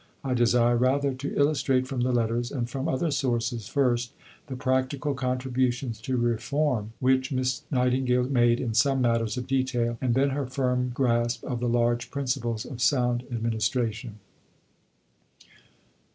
I desire rather to illustrate from the letters, and from other sources, first, the practical contributions to reform which Miss Nightingale made in some matters of detail, and then her firm grasp of the large principles of sound administration.